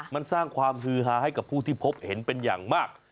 มันสร้างความฮือฮาให้กับผู้ที่พบเห็นเป็นอย่างมาก